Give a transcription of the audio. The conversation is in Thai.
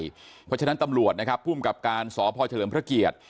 เพราะฉะนั้นตำรวจนะครับภูมิกับการสพเฉลิมพระเกียรติ